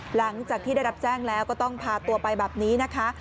หลังจากที่ได้รับแจ้งแล้วก็ต้องพาตัวไปแบบนี้นะคะ